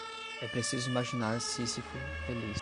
É preciso imaginar Sísifo feliz